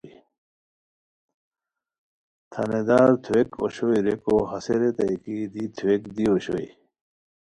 تھانیدار تھوویک اوشویا ریکو ہسے ریتائے کی دی تھوویک دی اوشوئے